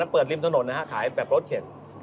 เปิดริมถนนนะฮะขายแบบรถเข็ด